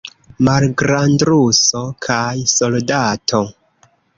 Malgrandruso kaj soldato.